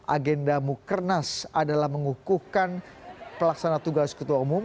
agenda mukernas adalah mengukuhkan pelaksana tugas ketua umum